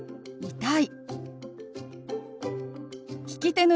「痛い」。